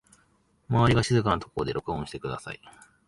周りが静かなところで録音してください